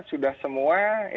sudah semua ya